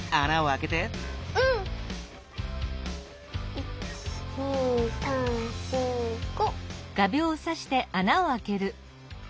１２３４５。